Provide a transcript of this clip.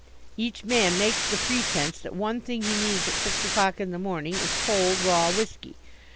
Each man makes the pretence that one thing he needs at six o'clock in the morning is cold raw whisky.